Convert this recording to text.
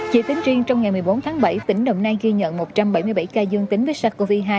chỉ tính riêng trong ngày một mươi bốn tháng bảy tỉnh đồng nai ghi nhận một trăm bảy mươi bảy ca dương tính với sars cov hai